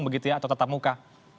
begitu ya atau tetap muka